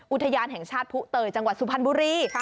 อุทยานแห่งชาติผู้เตยจังหวัดสุพรรณบุรี